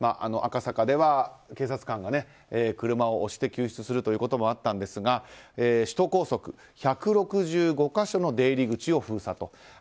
赤坂では警察官が車を押して救出することもあったんですが、首都高速１６５か所の出入り口を封鎖と。